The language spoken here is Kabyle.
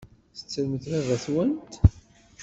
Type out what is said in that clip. Tettremt baba-twent?